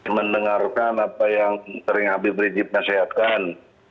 mendengarkan apa yang sering habib rizik nasihatkan